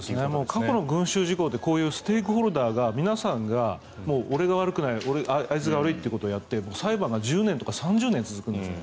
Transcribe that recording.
過去の群衆事故ってこういうステークホルダーが皆さんが、俺は悪くないあいつが悪いということをやって裁判が１０年とか３０年続くんです。